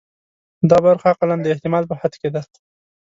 دا برخه اقلاً د احتمال په حد کې ده.